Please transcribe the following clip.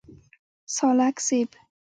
سالک صیب.